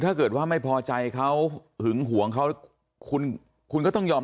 ถ้าเกิดว่าไม่พอใจเขาหึงหวงเขาคุณก็ต้องยอม